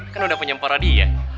kan udah punya empor tadi ya